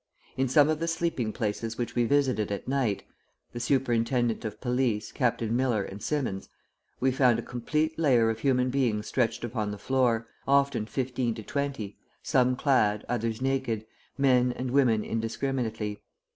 In some of the sleeping places which we visited at night (the Superintendent of Police, Captain Miller, and Symonds) we found a complete layer of human beings stretched upon the floor, often fifteen to twenty, some clad, others naked, men and women indiscriminately.